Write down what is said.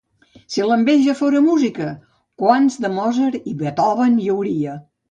Si l'enveja fora música, quants de Mozart i Beethoven hi hauria.